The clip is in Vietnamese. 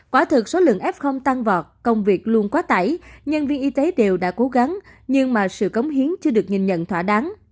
quả thực số lượng f tăng vọt công việc luôn quá tải nhân viên y tế đều đã cố gắng nhưng mà sự cống hiến chưa được nhìn nhận thỏa đáng